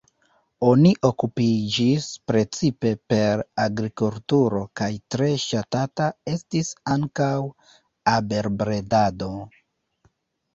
Oni okupiĝis precipe per agrikulturo kaj tre ŝatata estis ankaŭ abelbredado.